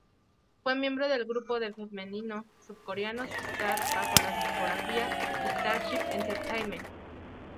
Fue miembro del grupo de femenino surcoreano Sistar bajo la discográfica Starship Entertainment.